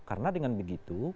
karena dengan begitu